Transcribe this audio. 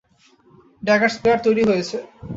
Dagger spare, তৈরি রয়েছে।